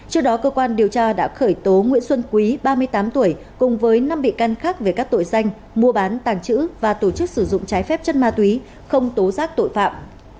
trước đó cơ quan điều tra đã khởi tố nguyễn xuân quý ba mươi tám tuổi cùng với năm bị can khác về các tội danh mua bán tàng trữ và tổ chức sử dụng trái phép chất ma túy không tố giác tội phạm